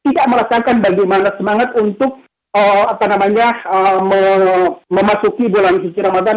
tidak melesakan bagaimana semangat untuk apa namanya memasuki bulan suci ramadan